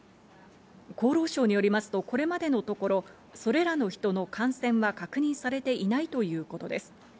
厚労省によりますと、これまでのところ、それらの人の感染は確認されていないということです。